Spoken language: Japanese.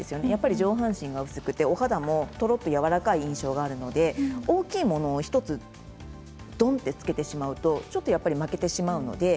上半身が薄くてお肌も、とろっとやわらかい印象があるので大きいものをドンとつけてしまうと、負けてしまうんです。